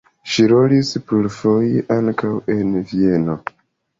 Ŝi rolis plurfoje ankaŭ en Vieno.